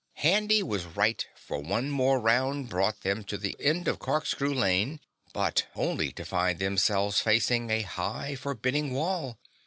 Handy was right for one more round brought them to the end of corkscrew lane, but only to find themselves facing a high, forbidding wall.